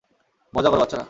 মজা করো বাচ্চারা।